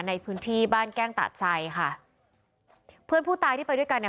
ในพื้นที่บ้านแก้งตาดไซค่ะเพื่อนผู้ตายที่ไปด้วยกันเนี่ย